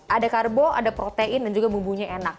ada karbo ada protein dan juga bumbunya enak